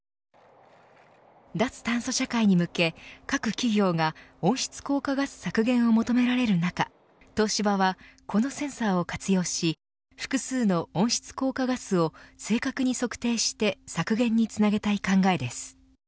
脱炭素社会に向け、各企業が温室効果ガス削減を求められる中東芝は、このセンサーを活用し複数の温室効果ガスを正確に測定して削減につなげたい考えです。